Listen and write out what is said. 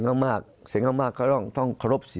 มุมนักวิจักรการมุมประชาชนทั่วไป